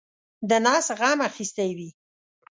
د نس غم اخیستی وي.